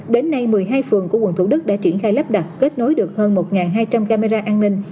đến nay một mươi hai phường của quận thủ đức đã triển khai lắp đặt kết nối được hơn một hai trăm linh camera an ninh